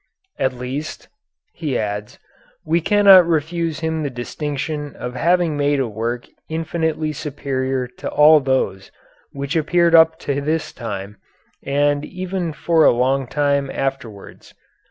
"At least," he adds, "we cannot refuse him the distinction of having made a work infinitely superior to all those which appeared up to this time and even for a long time afterwards.